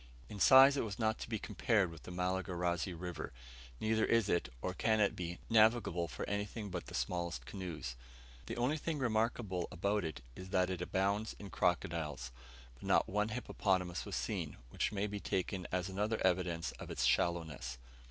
In size it was not to be compared with the Malagarazi River, neither is it, or can it be, navigable for anything but the smallest canoes. The only thing remarkable about it is that it abounds in crocodiles, but not one hippopotamus was seen; which may be taken as another evidence of its shallowness.